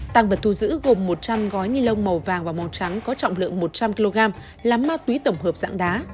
tăng vật thu giữ gồm một trăm linh gói ni lông màu vàng và màu trắng có trọng lượng một trăm linh kg là ma túy tổng hợp dạng đá